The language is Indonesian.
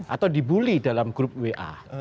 atau di bully dalam group wa